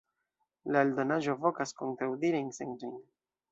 La eldonaĵo vokas kontraŭdirajn sentojn.